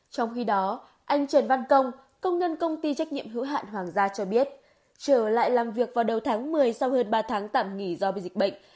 trong khi đó anh trần văn công công nhân công ty trách nhiệm hữu hạn hoàng gia cho biết trở lại làm việc vào đầu tháng một mươi sau hơn ba tháng tạm nghỉ do bị dịch bệnh